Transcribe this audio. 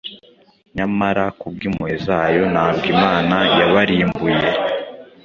Nyamara kubw’impuhwe zayo, ntabwo Imana yabarimbuye.